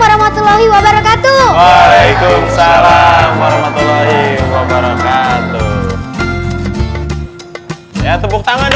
assalamualaikum warahmatullahi wabarakatuh waalaikumsalam warahmatullahi wabarakatuh ya tepuk tangan